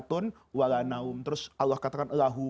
terus allah katakan